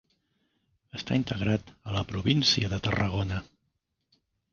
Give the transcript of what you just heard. Està integrat a la província de Tarragona.